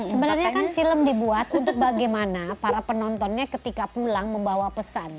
sebenarnya kan film dibuat untuk bagaimana para penontonnya ketika pulang membawa pesan